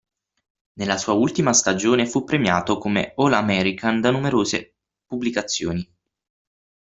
Nella sua ultima stagione fu premiato come All-American da numerose pubblicazioni.